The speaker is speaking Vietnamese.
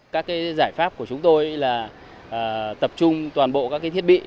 các giải pháp của chúng tôi là tập trung toàn bộ các thiết bị